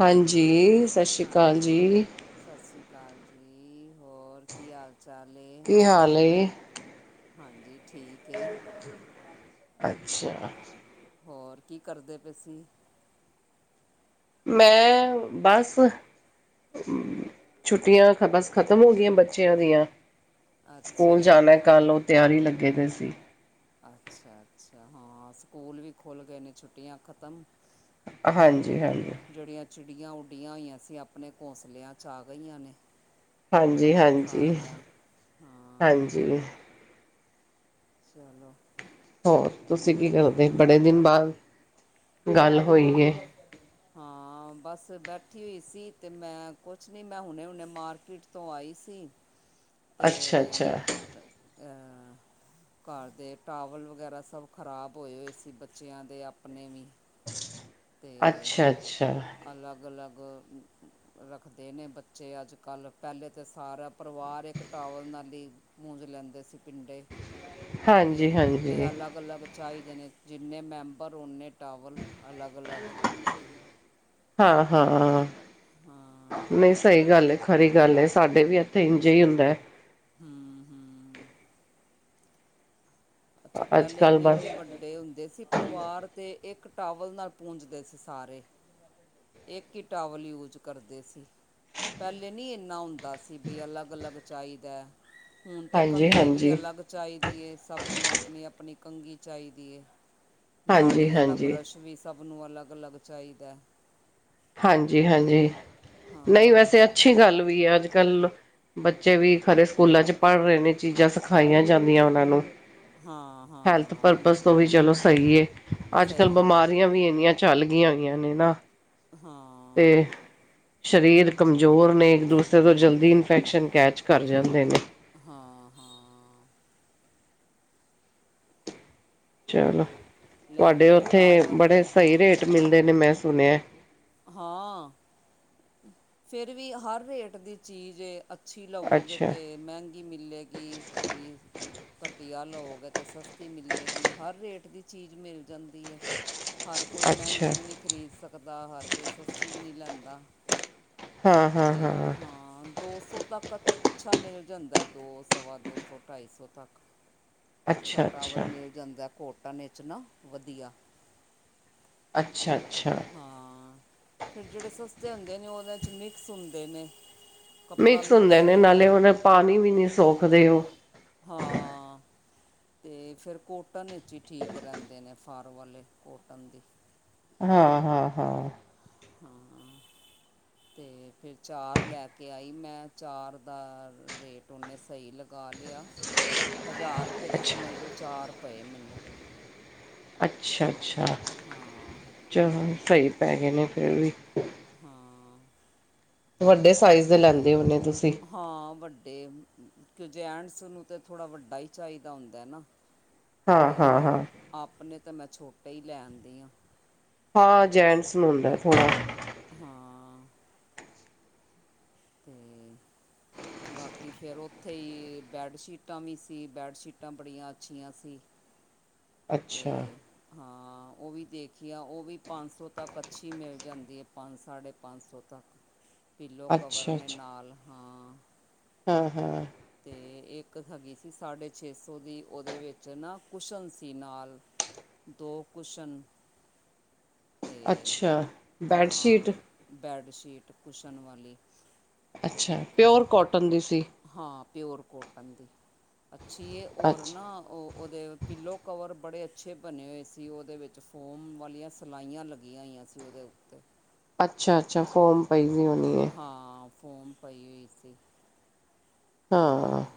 ਹਾਂਜੀ, ਸਤਿ ਸ਼੍ਰੀ ਹਾਂਜੀ ਅਕਾਲ ਜੀ। ਸਤਿ ਸ਼੍ਰੀ ਅਕਾਲ ਜੀ, ਹੋਰ ਕੀ ਹਾਲ ਚਾਲ ਏ? ਕੀ ਹਾਲ ਏ? ਹਾਂਜੀ ਠੀਕ ਏ। ਅੱਛਾ। ਹੋਰ ਕੀ ਕਰਦੇ ਪਏ ਸੀ? ਮੈਂ ਬਸ ਛੁੱਟੀਆਂ ਤਾਂ ਬਸ ਖਤਮ ਹੋ ਗਈਆਂ ਬੱਚਿਆਂ ਦੀਆਂ। ਸਕੂਲ ਅੱਛਾ ਜਾਣਾ ਕੱਲ ਨੂੰ ਤਿਆਰੀ ਲੱਗੇ ਦੇ ਸੀ। ਅੱਛਾ-ਅੱਛਾ, ਹਾਂ ਸਕੂਲ ਵੀ ਖੁੱਲ ਗਏ ਨੇ ਛੁੱਟੀਆਂ ਖ਼ਤਮ। ਹਾਂਜੀ ਚਲੋ ਹਾਂਜੀ ਜਿਹੜੀਆਂ ਚਿੜੀਆਂ ਉਡੀਆਂ ਹੋਈਆਂ ਸੀ ਆਪਣੇ ਘੋਸਲਿਆਂ ਚ ਆ ਗਈਆਂ ਨੇ। ਹਾਂਜੀ-ਹਾਂਜੀ, ਸਾਰੀਆਂ ਹਾਂ ਹਾਂਜੀ। ਚਲੋ ਹੋਰ ਤੁਸੀਂ ਕੀ ਕਰਦੇ, ਹਾਂ ਬੜੇ ਦਿਨ ਬਾਅਦ ਗੱਲ ਹੋਈ ਹੈ ਹਾਂ। ਹਾਂ, ਬਸ ਬੈਠੀ ਹੋਈ ਸੀ ਤੇ ਮੈਂ ਕੁਛ ਨੀ ਮੈਂ ਹੁਣੇ ਹੁਣੇ ਮਾਰਕੀਟ ਤੋਂ ਆਈ ਸੀ। ਤੇ ਅੱਛਾ ਅੱਛਾ ਅਹ ਘਰ ਦੇ ਟਾਵਲ ਵਗੈਰਾ ਸਭ ਖ਼ਰਾਬ ਹੋਏ ਹੋਏ ਸੀ ਬੱਚਿਆਂ ਦੇ ਆਪਣੇ ਵੀ। ਅੱਛਾ-ਅੱਛਾ। ਅਲੱਗ-ਅਲੱਗ ਰੱਖਦੇ ਨੇ ਬੱਚੇ ਅੱਜ-ਕੱਲ ਪਹਿਲੇ ਤੇ ਸਾਰਾ ਪਰਿਵਾਰ ਇੱਕ ਟਾਵਲ ਨਾਲ ਹੀ ਪੂੰਜ ਲੈਂਦੇ ਸੀ ਪੀਡੇ ਤੇ ਹਾਂਜੀ ਹੁਣ ਤੇ ਹਾਂਜੀ ਅਲੱਗ-ਅਲੱਗ ਚਾਹੀਦੇ ਨੇ ਜਿੰਨੇ ਮੈਂਬਰ ਓਨੇ ਟਾਵਲ ਅਲੱਗ-ਅਲੱਗ। ਹਾਂ-ਹਾਂ, ਹਾਂ ਨ‌ਈ ਸਹੀ ਗੱਲ ਏ। ਸ‌ਈ ਗੱਲ ਏ ਸਾਡੇ ਵੀ ਇੱਥੇ ਇੰਝ ਹੀ ਹੁੰਦਾ ਐ। ਹੂੰ ਹੂੰ। ਅੱਛਾ ਅੱਜ ਪਹਿਲੇ ਕੱਲ੍ਹ ਬਸ ਐਨੇ-ਐਨੇ ਵੱ ਵੱਡੇ ਹੁੰਦੇ ਸੀ ਪਰਿਵਾਰ ਤੇ ਇੱਕ ਟਾਵਲ ਨਾਲ ਪੂੰਜਦੇ ਸੀ ਸਾਰੇ। ਇਕ ਈ ਟਾਵਲ ਯੂਜ ਕਰਦੇ ਸੀ। ਪਹਿਲੇ ਨੀ ਏਨਾ ਹੁੰਦਾ ਸੀ ਬਈ ਅਲੱਗ-ਅਲੱਗ ਚਾਹੀਦਾ ਹੁਣ ਤੇ ਹਾਂਜੀ ਕੰਘੀ ਵੀ ਹਾਂਜੀ ਅਲੱਗ ਚਾਹੀਦੀ ਏ ਸਭ ਨੂੰ ਆਪਣੀ ਆਪਣੀ ਕੰਘੀ ਚਾਹੀਦੀ ਏ। ਹਾਂਜੀ ਦਾੜੀ ਆਲਾ ਹਾਂਜੀ ਬਰੱਸ਼ ਵੀ ਸਭ ਨੂੰ ਅਲੱਗ-ਅਲੱਗ ਚਾਹੀਦਾ। ਹਾਂਜੀ-ਹਾਂਜੀ, ਨ‌ਈ ਹਾਂ ਵੈਸੇ ਅੱਛੀ ਗੱਲ ਵੀ ਐ ਅੱਜ-ਕੱਲ। ਬੱਚੇ ਵੀ ਖਰੇ ਸਕੂਲਾਂ ਚ ਪੜ ਰਹੇ ਨੇ ਚੀਜ਼ਾਂ ਸਿਖਾਈਆਂ ਜਾਂਦੀਆਂ ਓਨਾਂ ਨੂੰ। ਹਾਂ ਹੈਲਥ ਹਾਂ ਪਰਪਜ਼ ਤੋਂ ਵੀ ਚਲੋ ਸਹੀ ਏ ਅੱਜ-ਕੱਲ ਸਹੀ ਹੈ ਬਿਮਾਰੀਆਂ ਵੀ ਏਨੀਆਂ ਚੱਲ ਗਈਆਂ ਹੋਈਆਂ ਨੇ ਨਾ। ਹਾਂ। ਤੇ ਸਰੀਰ ਕਮਜ਼ੋਰ ਨੇ ਇੱਕ ਦੂਸਰੇ ਤੋਂ ਜਲਦੀ ਕੰ- ਇਨਫੈਕਸ਼ਨ ਕੈਚ ਕਰ ਜਾਂਦੇ ਨੇ। ਹਾਂ, ਹਾਂ। ਚਲੋ ਲੈ ਤੁਹਾਡੇ ਕੇ ਆਏ ਉੱਥੇ ਟਾਵਲ ਬੜੇ ਸਹੀ ਹਾਂ ਰੇਟ ਮਿਲਦੇ ਨੇ ਮੈਂ ਸੁਣਿਆ ਹਾਂ ਫਿਰ ਵੀ ਹਰ ਰੇਟ ਦੀ ਚੀਜ਼ ਅੱਛੀ ਲਵੋਗੇ ਅੱਛਾ ਅਤੇ ਮਹਿੰਗੀ ਮਿਲੇਗੀ ਥੋੜ੍ਹੀ ਜ ਘਟੀਆ ਲਓ ਗਏ ਤੇ ਸਸਤੀ ਮਿਲੇਗੀ ਹਰ ਰੇਟ ਦੀ ਚੀਜ਼ ਮਿਲ ਜਾਂਦੀ ਹੈ। ਹਰ ਕੋਈ ਅੱਛਾ ਮਹਿੰਗੀ ਵੀ ਨਹੀਂ ਖਰੀਦ ਸਕਦਾ ਹਰ ਕੋਈ ਸਸਤੀ ਵੀ ਨਹੀਂ ਲੈਂਦਾ। ਹਾਂ ਹਾਂ ਤੇ ਹਾਂ ਦੋ ਸੋ ਤੱਕ ਅਛਾ ਮਿਲ ਜਾਦਾ ਦੋ ਸਵਾ ਦੋ ਸੌ ਢਾਈ ਸੋ ਤੱਕ ਅਛਾ ਅੱਛਾ ਟਾਵਲ ਅੱਛਾ ਮਿਲ ਜਾਦਾ ਕੋਟਨ ਵਿਚ ਨਾ ਵਧੀਆ। ਅਛਾ ਅਛਾ ਹਾਂ ਫਿਰ ਜਿਹੜੇ ਸਸਤੇ ਹੁੰਦੇ ਨੇ ਉਹਨਾ 'ਚ ਮਿਕਸ ਹੁੰਦੇ ਨੇ ਕੱਪੜਾ ਮਿਕਸ ਹੁੰਦੇ ਨੇ ਨਾਲੇ ਹੁੰਦਾ ਉਹਨ ਪਾਣੀ ਵੀ ਨੀ ਸੋਖਦੇ ਉਹ ਹਾਂ ਅਤੇ ਫਿਰ ਕੋਟਨ ਵਿਚ ਹੀ ਠੀਕ ਰਹਿਦੇ ਨੇ ਫਰ ਵਾਲੇ ਕੋਟਨ ਦੀ ਹਾਂ ਹਾਂ ਹਾਂ [unintelligible] ਅਤੇ ਫਿਰ ਚਾਰ ਲੈਕੇ ਆਈ ਮੈ ਚਾਰ ਦਾ ਰੇਟ ਉਨੇ ਸਹੀ ਲਗ ਗਾ ਲਿਆ ਹਜ਼ਾਰ ਰੁਪਏ ਦੇ ਸਮਝ ਲਓ ਚਾਰ ਪਏ ਮੈਨੂੰ ਅਛਾ ਅਛਾ ਹਾਂ ਚਲੋ ਸਹੀ ਪੈ ਗਏ ਨੇ ਫਿਰ ਵੀ ਹਾਂ ਵਡੇ ਸਾਈਜ਼ ਦੇ ਅਤੇ ਲੈਦੇ ਹੁੰਨੇ ਤੁਸੀ ਹਾਂ ਵੱਡੇ ਕਿਉ ਜੇਟਸ ਨੂੰ ਤਾਂ ਥੋੜ੍ਹਾ ਵਡਾ ਹੀ ਚਾਹੀਦਾ ਹੁੰਦਾ ਨਾ ਹਾਂ-ਹਾਂ-ਹਾਂ, ਤੇ ਹਾਂ ਹਾਂ ਆਪਣੇ ਤਾਂ ਮੈ ਛੋਟੇ ਹੀ ਲੈਦੀ ਹਾਂ। ਹਾਂ ਜੈਂਟਸ ਨੂੰ ਹੁੰਦਾ ਥੋੜਾ ਹਾਂ ਹੂੰ ਬਾਕੀ ਫਿਰ ਉਥੇ ਹੀ ਬੈਡਸ਼ੀਟਾਂ ਵੀ ਸੀ ਬੈਡਸ਼ੀਟਾਂ ਬੜੀਆਂ ਅੱਛੀਆਂ ਸੀ ਅੱਛਾ, ਅਤੇ ਹਾਂ ਉਹ ਵੀ ਦੇਖੀ ਆ ਉਹ ਵੀ ਪੰਜ ਸੋ ਤੱਕ ਅਛੀ ਮਿਲ ਜਾਦੀ ਹੈ। ਪੰਜ ਸਾਢੇ ਪੰਜ ਸੋ ਤੱਕ ਪੀਲੋ ਕਵਰ ਨੇ ਨਾਲ ਹਾਂ ਹਾਂ ਹਾਂ ਅਤੇ ਇਕ ਹੈਗੀ ਸੀ ਸਾਢੇ ਛੇ ਸੋ ਦੀ ਉਹਦੇ ਵਿਚ ਨਾ ਕੁਸ਼ਨਜ਼ ਸੀ ਨਾਲ ਦੋ ਕੁਸ਼ਨ ਤੇ ਅੱਛਾ। ਹਾਂ ਬੈਡਸ਼ੀਟ, ਬੈੱਡਸ਼ੀਟ ਕੁਸ਼ਨਣ ਵਾਲੀ ਅਛਾ ਪਿਓਰ ਕੋਟਨ ਦੀ ਸੀ। ਹਾਂ ਪਿਓਰ ਕੋਟਨ ਦੀ ਅਛੀ ਹੈ ਹੋਰ ਅੱਛਾ। ਨਾ ਉਹ ਉਹਦੇ ਪੀਲੋ ਕਵਰ ਬੜੇ ਅਛੇ ਬਣੇ ਹੋਏ ਸੀ ਉਹਦੇ ਵਿਚ ਫੋਮ ਵਾਲੀਆਂ ਸਿਲਾਈਆਂ ਲੱਗੀਆਂ ਹੋਈਆਂ ਸੀ- ਉਦੇ ਉਤੇ ਅਛਾ ਅਛਾ ਫੋਮ ਪਈ ਵੀ ਉਦੀ ਹਾਂ ਫੋਮ ਪਈ ਹੋਈ ਸੀ ਹਾਂ, ਤੇ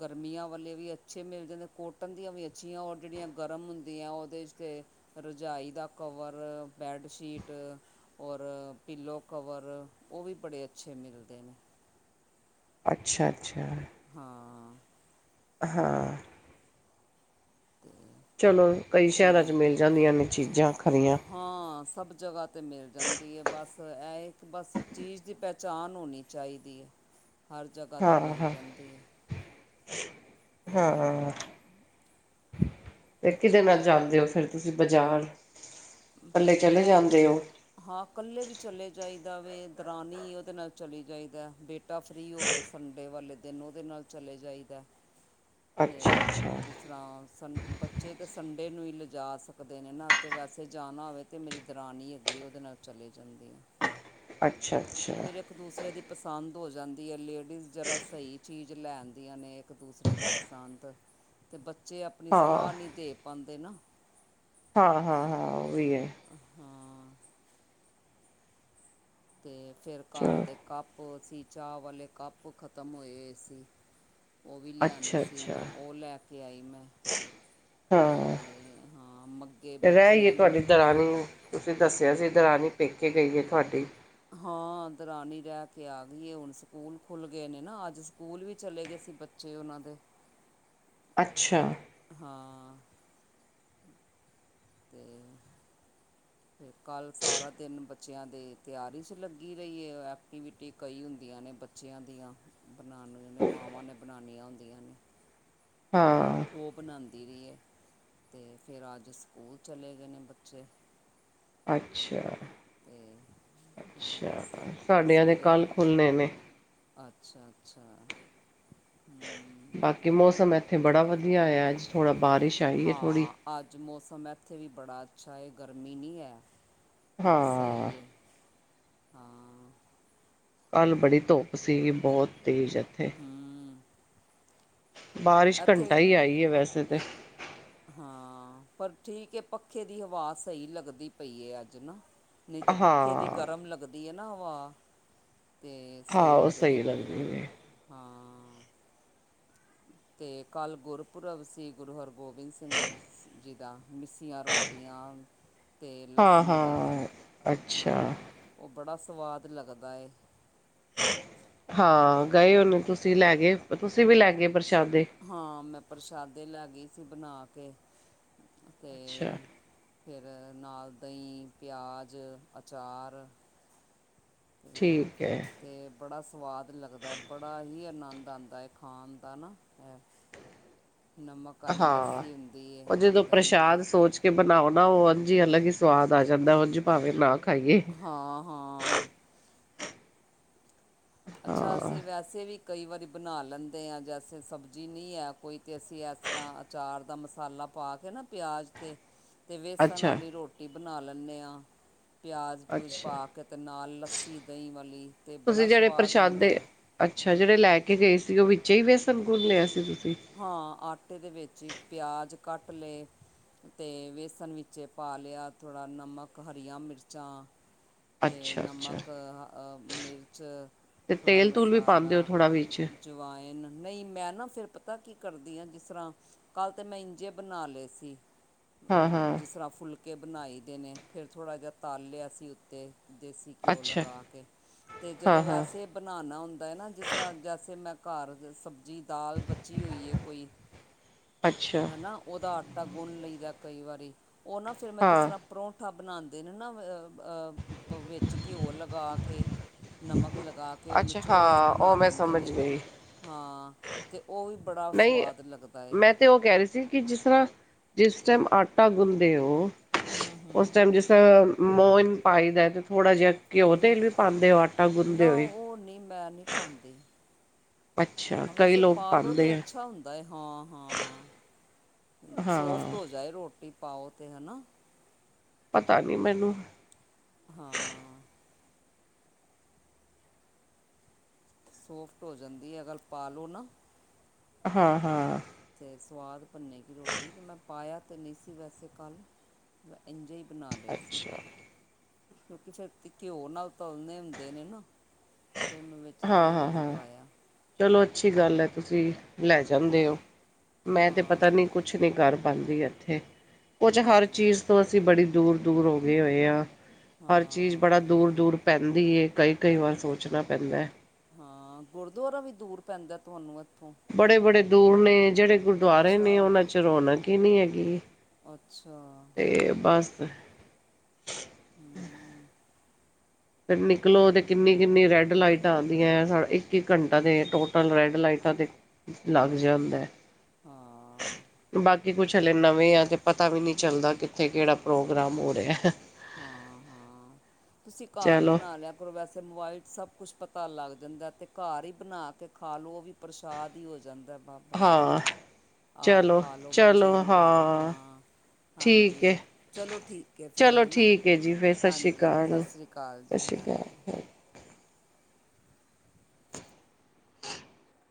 ਗਰਮੀਆਂ ਵਾਲੇ ਵੀ ਅਛੇ ਮਿਲ ਜਾਦੇ ਕੋਟਨ ਦੀਆ ਵੀ ਅਛੀਆਂ ਓਰ ਜਿਹੜੀਆਂ ਗਰਮ ਹੁੰਦੀਆਂ ਉਹਦੇ 'ਚ ਤੇ ਰਜਾਈ ਦਾ ਕਵਰ ਬੈਡਸ਼ੀਟ ਔਰ ਪੀਲੋ ਕਵਰ ਉਹ ਵੀ ਬੜੇ ਅਛੇ ਮਿਲਦੇ ਨੇ ਅਛਾ ਅਛਾ ਹਾਂ। ਹਾਂ‌। [unintelligible] ਚਲੋ ਕਈ ਸ਼ਹਿਰਾਂ ਚ ਹੁਣ ਮਿਲ ਤਾਂ ਜਾਦੀਆਂ ਨੇ ਚੀਜਾ ਖਰੀਆਂ ਹਾਂ ਸਭ ਜਗ੍ਹਾ 'ਤੇ ਮਿਲ ਜਾਦੀ ਹੈ। ਬਸ ਇਹ ਇਕ ਬਸ ਚੀਜਾ ਦੀ ਪਹਿਚਾਣ ਹੋਣੀ ਚਾਹੀਦੀ ਹੈ। ਹਰ ਜਗ੍ਹਾ 'ਤੇ ਹਾਂ, ਮਿਲ ਹਾਂ, ਜਾਦੀ ਹੈ ਤੇ ਹਾਂ ਤੇ ਕਿਦੇ ਨਾਲ ਜਾਦੇ ਹੋ ਫਿਰ ਤੁਸੀ ਬਾਜ਼ਾਰ? ਇਕੱਲੇ ਚਲੇ ਮੈ ਜਾਂਦੇ ਹੋ? ਹਾਂ ਕਲੇ ਵੀ ਚਲੇ ਜਾਈਦਾ ਵੇ। ਦਰਾਨੀ ਉਹਦੇ ਨਾਲ ਚਲੀ ਜਾਈਦਾ। ਬੇ ਟੇਟਾ ਫ੍ਰੀ ਹੋਵੇ ਸੰਡੇ ਵਾਲੇ ਦਿਨ ਉਹਦੇ ਨਾਲ ਚਲੇ ਜਾਈਦਾ ਤੇ ਅੱਛਾ, ਅੱਛਾ, ਜਿਸ ਤਰ੍ਹਾਂ ਸੰ ਬੱਚੇ ਤਾਂ ਸੰਡੇ ਨੂੰ ਹੀ ਲਿਜਾ ਸਕਦੇ ਨੇ ਨਾ ਤੇ ਵੈਸੇ ਜਾਣਾ ਹੋਵੇ ਤੇ ਮੇਰੀ ਦਰਾਨੀ ਹੈਗੀ ਏ। ਉਹਦੇ ਨਾਲ ਚਲੇ ਜਾਂਦੀ ਆ। ਅੱਛਾ-ਅੱਛਾ। ਫੇਰ ਇੱਕ ਦੂਸਰੇ ਦੀ ਪਸੰਦ ਹੋ ਜਾਂਦੀ ਐ। ਲੇਡੀਜ਼ ਜਰਾ ਸਹੀ ਚੀਜ਼ ਲੈਦੀਆਂ ਨੇ। ਇੱਕ ਦੂਸਰੇ ਦੀ ਪਸੰਦ ਤੇ ਬੱਚੇ ਆਪਣੀ ਹਾਂ, ਸਲਾਹ ਨਹੀਂ ਦੇ ਪਾਂਦੇ ਨਾ। ਹਾਂ-ਹਾਂ-ਹਾਂ। ਉਹ ਵੀ ਹੈ। ਹਾਂ। ਅਤੇ ਫਿਰ ਘਰ ਚਲੋ ਦੇ ਕੱਪ ਸੀ। ਚਾਹ ਵਾਲੇ ਕੱਪ ਖਤਮ ਹੋਏ-ਹੋਏ ਸੀ। ਉਹ ਵੀ ਲਿਆਣੇ ਅੱਛਾ, ਸੀ, ਅੱਛਾ ਉਹ ਲੈ ਕੇ ਆਈ ਮੈਂ। ਹਾਂ। ਅਤੇ ਹਾਂ ਮੱਗੇ ਰਹਿ ਹੀਏ ਬੱਚਿਆਂ ਨੂੰ ਤੁਹਾਡੀ ਦਰਾਨੀ ਨੂੰ ਤੁਸੀਂ ਦੱਸਿਆ ਸੀ ਦਰਾਣੀ ਪੇਕੇ ਗਈ ਹੈ ਤੁਹਾਡੀ। ਹਾਂ ਦਰਾਣੀ ਰਹਿ ਕੇ ਆ ਗਈ ਏ। ਹੁਣ ਸਕੂਲ ਖੁੱਲ ਗਏ ਨੇ ਨਾ ਅੱਜ ਸਕੂਲ ਵੀ ਚਲੇ ਗਏ ਸੀ ਬੱ ਬੱਚੇ ਉਹਨਾਂ ਦੇ। ਅੱਛਾ। ਹਾਂ। ਤੇ ਤੇ ਕੱਲ੍ਹ ਸਾਰਾ ਦਿਨ ਬੱਚਿਆਂ ਦੇ ਤਿਆਰੀ 'ਚ ਲੱਗੀ ਰਹੀ ਏ। ਐਕਟੀਵਿਟੀ ਕਈ ਹੁੰਦੀਆਂ ਨੇ ਬ ਬੱਚਿਆਂ ਦੀਆਂ। ਬਣਾਉਣ ਨੇ ਮਾਵਾਂ ਨੇ ਬਣਾਉਣੀਆਂ ਹੁੰਦੀਆਂ ਨੇ। ਹਾਂ। ਉਹ ਬਣਉਂਦੀ ਰਹੀ ਏ ਤੇ ਫਿਰ ਅੱਜ ਸਕੂਲ ਚਲੇ ਗਏ ਨੇ ਬੱਚੇ। ਅਤੇ ਅੱਛਾ-ਅੱਛਾ। ਹਾਂ ਸ- ਸਾਡਿਆਂ ਦੇ ਕੱਲ੍ਹ ਖੁੱਲਣੇ ਨੇ। ਅੱਛਾ-ਅੱਛਾ। ਬਾਕੀ ਮੌਸਮ ਇੱਥੇ ਬੜਾ ਵਧੀਆ ਹੋਏਆ ਅੱਜ। ਥੋੜਾ ਬਾਰਿਸ਼ ਆਈ ਹੈ ਥੋੜ੍ਹੀ। ਹਾਂ ਅੱਜ ਮੌਸਮ ਇੱਥੇ ਵੀ ਬੜਾ ਅੱਛਾ ਏ। ਗਰਮੀ ਨਹੀਂ ਹੈ। ਅੱਜ ਹਾਂ ਸਹੀ ਏ, ਹਾਂ। ਕੱਲ੍ਹ ਬੜੀ ਧੁੱਪ ਸੀਗੀ। ਬਹੁਤ ਤੇਜ਼ ਇੱਥੇ। ਹਮ। ਬਾਰਿਸ਼ ਘੰਟਾ ਇੱਥੇ ਈ ਆਈ ਏ ਵੈਸੇ ਤੇ। ਹਾਂ। ਪਰ ਠੀਕ ਏ ਪੱਖੇ ਦੀ ਹਵਾ ਸਹੀ ਲੱਗਦੀ ਪਈ ਏ ਅੱਜ ਨਾ। ਨਹੀਂ ਤਾਂ ਪੱਖੇ ਦੀ ਹਾਂ ਗਰਮ ਲੱਗਦੀ ਹੈ ਨਾ ਹਵਾ। ਤੇ ਹਾਂ ਸਹੀ ਉਹ ਲੱਗਦੀ ਪਈ ਅੱਜ। ਨੇ ਹਾਂ ਤੇ ਕੱਲ੍ਹ ਗੁਰਪੁਰਬ ਸੀ ਗੁਰੂ ਹਰਗੋਬਿੰਦ ਸਿੰਘ ਜੀ ਦਾ। ਮਿੱਸੀਆਂ ਰੋਟੀਆਂ ਤੇ ਹਾਂ ਲੱਸੀ ਦਾ। ਹਾਂ ਅੱਛਾ ਹਾਂ। ਉਹ ਬੜਾ ਸਵਾਦ ਲੱਗਦਾ ਏ। ਹਾਂ ਗਏ ਹੋਨੇ ਤੁਸੀਂ ਲੈ ਗਏ ਤੁਸੀਂ ਵੀ ਲੈ ਗਏ ਪ੍ਰਸ਼ਾਦੇ। ਹਾਂ ਮੈਂ ਪ੍ਰਸ਼ਾਦੇ ਲੈ ਗਈ ਸੀ ਬਣਾ ਕੇ ਤੇ ਅੱਛਾ ਫਿਰ ਨਾਲ ਦਹੀਂ ਪਿਆਜ਼ ਅਚਾਰ। ਠੀਕ ਹੈ। ਤੇ ਬੜਾ ਸਵਾਦ ਲੱਗਦਾ ਹੈ ਬੜਾ ਹੀ ਆਨੰਦ ਆਉਦਾਂ ਹੈ ਖਾਣ ਦਾ ਨਾ ਇਹ ਨਮਕ ਵਾਲੀ ਹਾਂ ਲੱਸੀ ਹੁੰਦੀ ਹੈ ਦਹੀਂ ਦੇ। ਕਿ ਬਣਾਓ ਨਾ ਉਹ ਉਂਜ ਈ ਅਲੱਗ ਹੀ ਸਵਾਦ ਆ ਜਾਂਦਾ ਹੈ ਜੀ ਭਾਵੇਂ ਨਾ ਖਾਈਏ ਹਾਂ ਹਾਂ ਅੱਛਾ ਹਾਂ ਅਸੀਂ ਵੈਸ ਅਸੀਂ ਵੀ ਕਈ ਵਾਰੀ ਬਣਾ ਲੈਂਦੇ ਹਾਂ ਜੇੈਸੇ ਸਬਜ਼ੀ ਨਹੀਂ ਹੈ ਕੋਈ ਤਾਂ ਅਸੀਂ ਇਸ ਤਰ੍ਹਾਂ ਚਾਰ ਦਾ ਮਸਾਲਾ ਪਾ ਕੇ ਨਾ ਪਿਆਜ਼ ਤੇ ਤੇ ਵੇਸਣ ਅੱਛਾ ਵਾਲੀ ਰੋਟੀ ਬਣਾ ਲੈਂਣੇ ਹਾਂ। ਪਿਆਜ਼ ਪਿਊਜ ਅੱਛਾ ਪਾ ਕੇ ਅਤੇ ਨਾਲ ਲੱਸੀ ਦਹੀਂ ਵਾਲੀ ਤੇ ਬੜਾ ਤੁਸੀਂ ਸ ਜਿਹੜੇ ਪ੍ਰਸ਼ਾਦ ਦੇ ਅੱਛਾ ਜਿਹੜੇ ਲੈ ਕੇ ਗਏ ਸੀ ਉਹ ਵਿੱਚ ਹੀ ਵੇਸਣ ਗੁੰਨ ਲਿਆ ਸੀ ਤੁਸੀਂ ਹਾਂ ਆਟੇ ਦੇ ਵਿੱਚ ਈ ਪਿਆਜ਼ ਕੱਟ ਲਏ। ਤੇ ਵੇਸਣ ਵਿੱਚ ਪਾ ਲਿਆ ਥੋੜ੍ਹਾ ਨਮਕ ਹਰੀਆਂ ਮਿਰਚਾਂ ਤੇ ਅੱਛਾ ਅੱਛਾ ਨਮਕ ਅ ਮਿਰਚ ਤੇ ਥੋੜਾ ਤੇਲ ਤੂਲ ਵੀ ਪਾਉਂਦੇ ਹੋ ਮਸਾਲਾ ਥੋੜ੍ਹਾ ਵਿੱਚ ਜਵਾਏਨ ਨਹੀਂ ਮੈਂ ਨਾ ਫਿਰ ਪ ਪਤਾ ਕੀ ਕਰਦੀ ਹਾਂ ਜਿਸ ਤਰ੍ਹਾਂ ਕੱਲ ਤੇ ਮੈਂ ਇੰਜੇ ਬਣਾ ਲਏ ਸੀ ਹਾਂ ਹਾਂ ਜਿਸ ਤਰ੍ਹਾਂ ਫੁਲਕੇ ਬਣਾਈ ਦੇ ਨੇ ਫਿਰ ਥੋੜ੍ਹਾ ਜਿਹਾ ਤਾਲ ਲਿਆ ਸੀ ਉੱਤੇ ਦੇਸੀ ਘਿਓ ਅੱਛਾ ਲਗਾ ਕੇ ਤੇ ਹਾਂ ਜਦੋਂ ਹਾਂ ਵੈਸੇ ਬਣਾਉਣਾ ਹੁੰਦਾ ਹੈ ਨਾ ਜਿਸ ਤਰ੍ਹਾਂ ਜੈਸੇ ਮੈਂ ਘਰ ਸਬਜ਼ੀ ਦਾਲ ਚੀ ਹੋਏ ਕੋਈ ਅੱਛਾ ਹੈ ਹਨਾ ਉਹਦਾ ਟਾ ਗੁਣ ਲਈਦਾ ਕਈ ਵਾਰੀ ਉਹ ਨਾ ਫਿਰ ਮੈਂ ਜਿਸ ਹਾਂ ਤਰ੍ਹਾਂ ਪਰੌਂਠਾ ਬਣਾਉਂਦੇ ਨੇ ਨਾ ਅ ਅ ਵਿੱਚ ਘਿਓ ਲਗਾ ਕੇ ਨਮਕ ਲਗਾ ਕੇ ਉਹਨੂੰ ਅੱਛਾ ਚੋਰਸ ਹਾਂ ਬਣਾ ਉਹ ਮੈਂ ਲੈਂਦੇ ਸਮਝ ਨੇ ਗਈ ਹਾਂ ਅਤੇ ਉਹ ਵੀ ਬੜਾ ਨਹੀਂ ਸਵਾਦ ਲੱਗਦਾ ਏ ਮੈਂ ਤੇ ਉਹ ਕਹਿ ਰਹੇ ਸੀ ਕਿ ਜਿਸ ਤਰ੍ਹਾਂ ਜਿਸ ਟਾਈਮ ਆਟਾ ਗੁੰਦੇ ਹੋ ਹੂੰ ਉਸ ਹੂੰ ਟਾਈਮ ਜਿਸ ਮੋਨ ਪਾਈ ਦਾ ਤੇ ਥੋੜ੍ਹਾ ਜਿਹਾ ਘਿਓ ਤੇਲ ਵੀ ਪਾਉਂਦੇ ਹੋ ਆਟਾ ਗੁੰਦੇ ਹੋਏ? ੳ ਨਹੀਂ ਮੈਂ ਨਹੀਂ ਪਾਉਂਦੀ ਅੱਛਾ ਹਾਂ ਕਈ ਵੈਸੇ ਲੋਕ ਪਾਲਓ ਤੇ ਪਾਉਂਦੇ ਆ ਅੱਛਾ ਹੁੰਦ ਦਾ ਹਾਂ ਹਾਂ ਸੋਫਟ ਹਾਂ ਹੋ ਜਾਏ ਰੋਟੀ ਪਾਓ ਤੇ ਹਨਾ? ਪਤਾ ਨੀ ਮੈਨੂੰ ਹਾਂ ਸੋਫਟ ਹੋ ਜਾਂਦੀ ਹੈ ਅਗਰ ਪਾਲੋ ਨਾ ਹਮ ਹਮ ਤੇ ਸਵਾਦ ਬਨੇਗੀ ਰੋਟੀ ਮੈਂ ਪਾਇਆ ਤਾਂ ਨਹੀਂ ਸੀ ਵੈਸੇ ਕੱਲ੍ਹ। ਇੰਜੇ ਹੀ ਬਣਾ ਲਏ ਸੀ ਅੱਛਾ ਕਿਉਂਕਿ ਛੇਤੀ ਘਿਓ ਨਾਲ ਤਲਨੇ ਹੁੰਦੇ ਨੇ ਨਾ ਫਿਰ ਮੈਂ ਵਿੱਚ ਹਾਂ ਤੇਲ ਹਾਂ ਨਹੀਂ ਹਾਂ ਪਾਇਆ ਚਲੋ ਅੱਛੀ ਗੱਲ ਹੈ ਤੁਸੀਂ ਲੈ ਜਾਂਦੇ ਹੋ ਮੈਂ ਤਾਂ ਪਤਾ ਹਾਂ ਨਹੀਂ ਕੁ ਕੁਛ ਨੀ ਕਰ ਪਾਉਂਦੀ ਇੱਥੇ ਕੁਝ ਹਰ ਹਾਂ ਚੀਜ਼ ਤੋਂ ਅਸੀਂ ਬੜੀ ਦੂਰ ਦੂਰ ਹੋ ਗਏ ਹੋਏ ਆ, ਹਰ ਚੀਜ਼ ਹਾਂ ਬੜਾ ਦੂਰ ਦੂਰ ਪੈਂਦੀ ਏ ਕਈ ਕਈ ਵਾਰ ਸੋਚ ਣਾ ਪੈਂਦਾ ਹਾਂ ਗੁਰਦੁਆਰਾ ਵੀ ਦੂਰ ਪੈਂਦਾ ਤੁਹਾਨੂੰ ਐ? ਬੜੇ ਬੜੇ ਦੂਰ ਨੇ ਜਿਹੜੇ ਗੁਰਦੁਆਰੇ ਅੱਛਾ ਨੇ ਉਹਨਾਂ ਚ ਰੌਣਕ ਹੀ ਨਹੀਂ ਹੈਗੀ। ਅੱਛਾ ਤੇ--ਬਸ, ਹਮ [unintelligible] ਤੇ ਨਿਕਲੋ ਤੇ ਕਿੰਨੀ -ਕਿੰਨੀ ਰੈੱਡ ਲਾਈਟਾਂ ਆਂਦੀਆਂ, ਸਾਡਾ ਇੱਕ- ਇੱਕ ਘੰਟਾ ਤੇ ਟੋਟਲ ਰੈੱਡ ਲਾਈਟਾਂ ਤੇ ਲੱਗ ਜਾਂਦਾ ਏ। ਹਾਂ ਬਾਕੀ ਕੁਛ ਹਲੇ ਨਵੇਂ ਆ, ਤੇ ਪਤਾ ਵੀ ਨਈ ਚੱਲਦਾ ਕਿੱਥੇ ਕੇੜਾ ਪ੍ਰੋਗਰਾਮ ਹੋ ਰੇਹਾ ਹਹ ਹਾਂ -ਹਾਂ ਤੁਸੀਂ ਘਾਰ ਚਲੋ ਬਣਾ ਲੇਆ ਪਰ ਵੈਸੇ ਮੋਬਾਈਲ ਚ ਸਭ ਕੁਛ ਪਤਾ ਲੱਗ ਜਾਂਦਾ, ਤੇ ਘਰ ਈ ਬਣਾ ਕੇ ਖਾ ਲੋੋ ਓਵੀ ਪ੍ਰਸ਼ਾਦ ਈ ਹੋ ਜਾਂਦਾ ਬਾਬਾ ਜੀ ਦਾ ਹਾਂ ਆਪ ਚਲੋ ਖਾ ਲਓ, ਚਲੋ ਬੱਚੋਆਂ ਨੂੰ ਦੇਦੋ ਹਾਂ ਠੀਕ ਹਾਂਜੀ, ਹੈ। ਚਲੋ ਠੀਕ ਏ ਫੇਰ ਚਲੋ ਹਨਾ, ਠੀਕ ਹੈ ਜੀ ਫਿਰ ਸਤਿ ਸ਼੍ਰੀ ਹਾਂਜੀ, ਸਤਿ ਅਕਾਲ ਸ੍ਰੀ ਅਕਾਲ,। ਸਤਿ ਕਾਲਜੀ ਸ਼੍ਰੀ ਹਾਂਜੀ। ਅਕਾਲ।